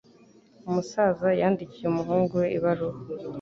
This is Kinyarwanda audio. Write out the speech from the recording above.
Umusaza yandikiye umuhungu we ibaruwa.